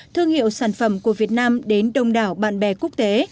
thương hiệu sản phẩm của việt nam đến đông đảo bạn bè quốc tế